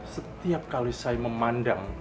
setiap kali saya memandang